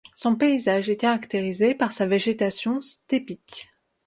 Son paysage est caractérisé par sa végétation steppique.